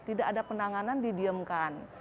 tidak ada penanganan didiamkan